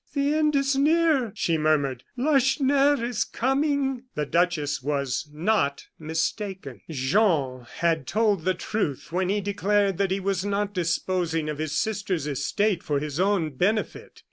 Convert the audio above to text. "The end is near," she murmured. "Lacheneur is coming!" The duchess was not mistaken. Jean had told the truth when he declared that he was not disposing of his sister's estate for his own benefit.